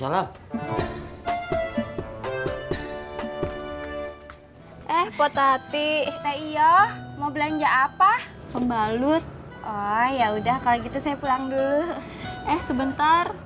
eh potati teh yo mau belanja apa pembalut oh ya udah kalau gitu saya pulang dulu eh sebentar